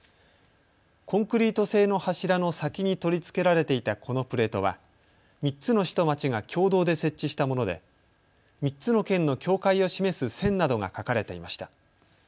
コンクリート製の柱の先に取り付けられていたこのプレートは３つの市と町が共同で設置したもので３つの県の境界を示す線などが書かれていました。